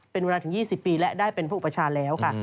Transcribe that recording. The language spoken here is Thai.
เป็นเวลาถึง๒๐ปีและได้เป็นพระอุปชาแล้วค่ะ